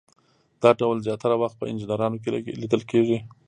دا ډول زیاتره وخت په انجینرانو کې لیدل کیږي.